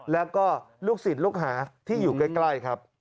แล้วก็ลูกศิษย์ลูกหาที่อยู่ใกล้ครับ